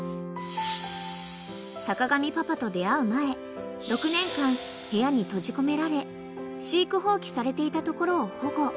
［坂上パパと出会う前６年間部屋に閉じ込められ飼育放棄されていたところを保護］